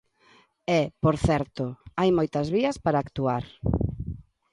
E, por certo, hai moitas vías para actuar.